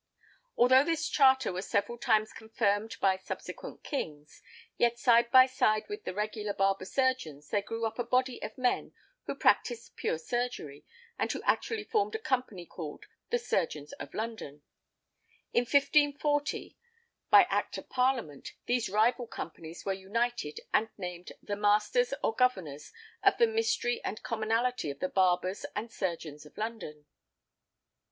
Although this charter was several times confirmed by subsequent kings, yet side by side with the regular barber surgeons there grew up a body of men who practised pure surgery, and who actually formed a company, called "The Surgeons of London." In 1540, by Act of Parliament, these rival companies were united and named "The Masters, or Governors, of the Mystery and Commonalty of the Barbers and Surgeons of London."